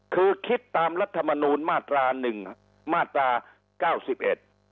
คือคิดตามรัฐมนูลมาตราหนึ่งมาตราเก้าสิบเอ็ด